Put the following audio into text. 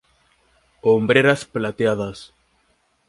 Hombreras plateadas.